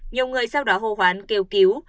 nhiều người sau đó hô hoán kêu cứu